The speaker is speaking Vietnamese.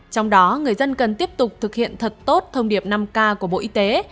trong đó người dân cần tiếp tục thực hiện thật tốt thông điệp năm k của bộ y tế